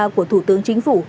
của thủ tướng chính phủ